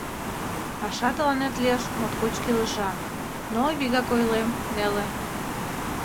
Паша тыланет лиеш, моткоч кӱлешан, но, вигак ойлем, неле.